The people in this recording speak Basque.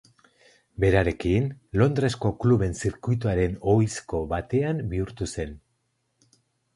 Berarekin, Londresko kluben zirkuituaren ohizko batean bihurtu zen.